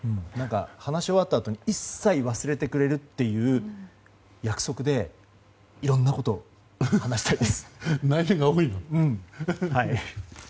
話し終わったあとに一切忘れてくれるっていう約束でいろんなことを話したいです。